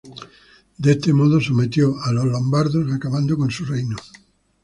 De este modo sometió a los lombardos acabando con su reino.